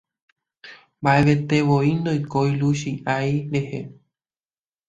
Mbaʼevetevoi ndoikói Luchiaʼi rehe.